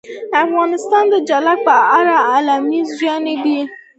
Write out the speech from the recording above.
افغانستان د جلګه په اړه علمي څېړنې لري.